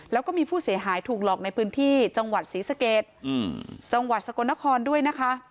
แล้วก็มีผู้เสียหายถูกหลอกในพื้นที่จศศรีสเกรดจศสะกนนครด้วยนะคะ